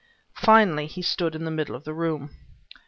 Finally he stood in the middle of the room.